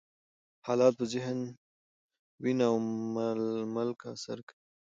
حالات په ذهن، وینه او ملکه اثر کوي.